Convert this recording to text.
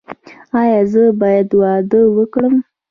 ایا زه باید واده وکړم؟